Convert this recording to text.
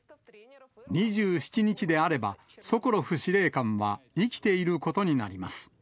２７日であれば、ソコロフ司令官は生きていることになります。